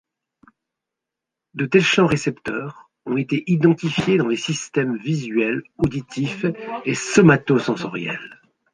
De tels champs récepteurs ont été identifiés dans les systèmes visuel, auditif et somatosensoriel.